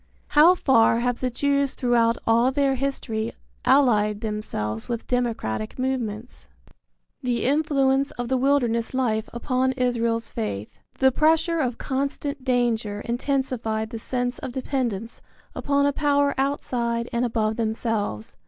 How far have the Jews throughout all their history allied themselves with democratic movements? III. THE INFLUENCE OF THE WILDERNESS LIFE UPON ISRAEL'S FAITH. The pressure of constant danger intensified the sense of dependence upon a power outside and above themselves.